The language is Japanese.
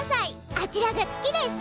あちらが月です。